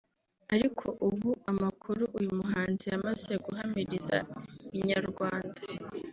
ariko ubu amakuru uyu muhanzi yamaze guhamiriza Inyarwanda